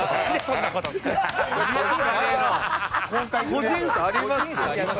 個人差ありますって。